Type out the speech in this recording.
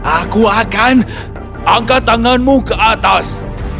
aku akan angkat tanganmu ke atas